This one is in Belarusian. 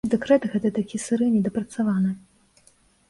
Дэкрэт гэты такі сыры, недапрацаваны.